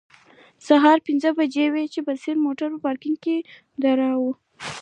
سهار پنځه بجې وې چې بصیر موټر پارکینګ کې و دراوه.